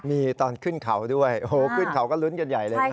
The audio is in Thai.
มีตอนขึ้นเขาด้วยโอ้โหขึ้นเขาก็ลุ้นกันใหญ่เลยนะ